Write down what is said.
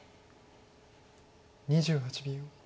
２８秒。